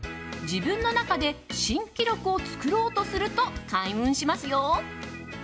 自分の中で新記録を作ろうとすると開運しますよ。